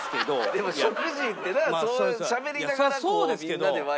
でも食事ってなしゃべりながらこうみんなでワイワイ。